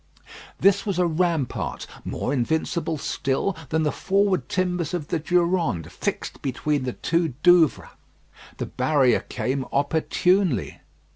This was a rampart more invincible still than the forward timbers of the Durande fixed between the two Douvres. The barrier came opportunely.